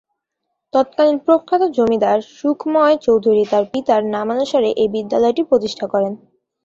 তৎকালীন প্রখ্যাত জমিদার সুখময় চৌধুরী তার পিতার নামানুসারে এই বিদ্যালয়টি প্রতিষ্ঠা করেন।